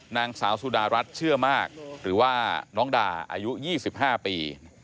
นางสาวสุดารัฐเชื่อมากหรือว่าน้องดาอายุ๒๕ปี